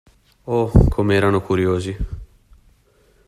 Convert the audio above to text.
Oh, come erano curiosi!